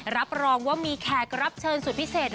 รับรองว่ามีแขกรับเชิญสุดพิเศษ